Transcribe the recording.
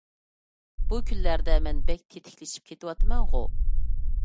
بۇ كۈنلەردە مەن بەك تېتىكلىشىپ كېتىۋاتىمەنغۇ!